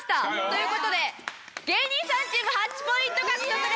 という事で芸人さんチーム８ポイント獲得です！